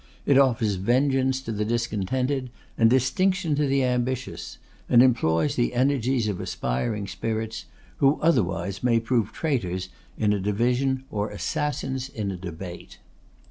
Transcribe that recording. It offers vengeance to the discontented, and distinction to the ambitious; and employs the energies of aspiring spirits, who otherwise may prove traitors in a division or assassins in a debate.